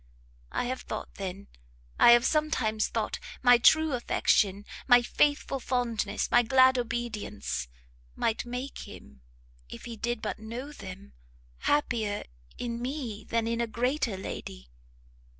I have thought, then, I have sometimes thought, my true affection, my faithful fondness, my glad obedience, might make him, if he did but know them, happier in me than in a greater lady!"